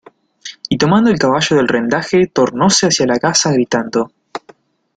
y tomando el caballo del rendaje tornóse hacia la casa, gritando: